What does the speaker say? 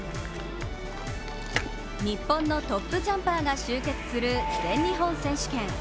日本のトップジャンパーが集結する全日本選手権。